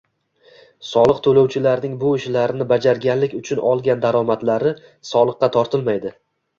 soliq to‘lovchilarning bu ishlarni bajarganlik uchun olgan daromadlari soliqqa tortilmaydi.